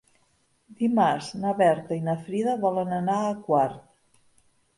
Dimarts na Berta i na Frida volen anar a Quart.